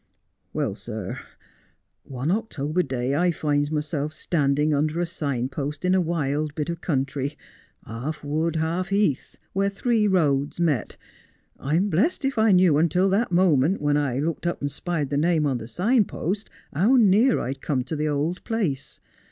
24 Just as I Am. 'Well, sir, one October day I finds myself standing under a sign post in a wild bit of country, half wood, half heath, where three roads met, I'm blest if I knew until that moment, when I looked up and spied the name on the sign post, how near I'd come to the old place.